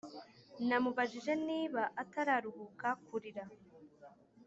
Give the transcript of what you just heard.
Namubajije niba atararuha kurira